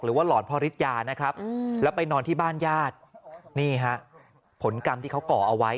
หลอนพ่อฤทยานะครับแล้วไปนอนที่บ้านญาตินี่ฮะผลกรรมที่เขาก่อเอาไว้